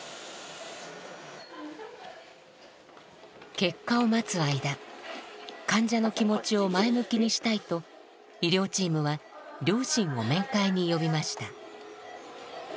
結果を待つ間患者の気持ちを前向きにしたいと医療チームは両親を面会に呼びました。